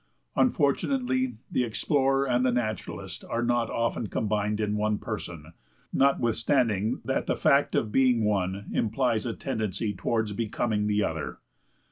Unfortunately, the explorer and the naturalist are not often combined in one person, notwithstanding that the fact of being one, implies a tendency toward becoming the other.